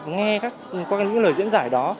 nghe qua những lời diễn giải đó